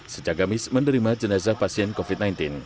sejak gamis menerima jenazah pasien covid sembilan belas